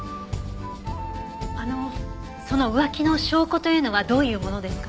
あのその浮気の証拠というのはどういう物ですか？